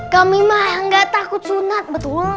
kami mah yang gak takut sunat betul